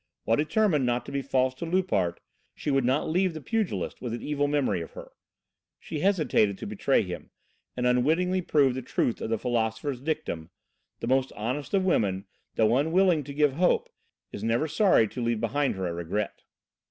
While determined not to be false to Loupart, she would not leave the pugilist with an evil memory of her. She hesitated to betray him and unwittingly proved the truth of the philosopher's dictum: "The most honest of women, though unwilling to give hope, is never sorry to leave behind her a regret!"